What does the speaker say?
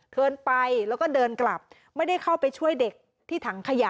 เดินไปแล้วก็เดินกลับไม่ได้เข้าไปช่วยเด็กที่ถังขยะ